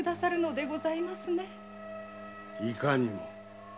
いかにも。